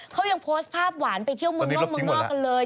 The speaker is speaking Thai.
เขายังโพสต์ภาพหวานไปเที่ยวมึงร่องมึงนอกเลย